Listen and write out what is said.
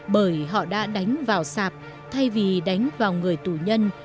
bởi họ đã đánh vào sạp thay vì đánh vào người tù nhân